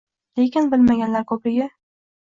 Lekin bilmaganlar ko‘pligi